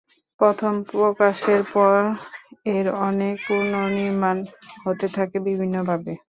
প্রথম প্রকাশের পর এর অনেক পুনর্নির্মাণ হতে থাকে বিভিন্নভাবে।